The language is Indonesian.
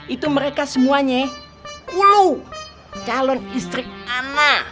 itu mereka semuanya kulu calon istri ana